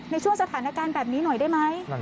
ในช่วงสถานการณ์แบบนี้หน่อยได้ไหม